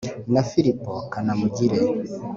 na filipo kanamugire